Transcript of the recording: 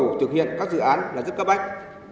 bộ thực hiện các dự án là rất cấp ách